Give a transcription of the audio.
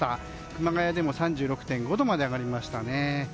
熊谷でも３６．５度まで上がりましたね。